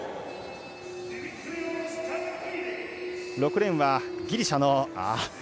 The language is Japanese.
６レーンはギリシャの選手。